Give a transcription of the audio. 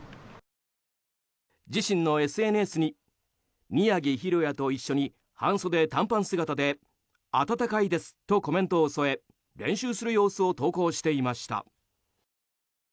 自身のＳＮＳに宮城大弥と一緒に半袖短パン姿であたたかいですとコメントを添え練習する様子を投稿していました。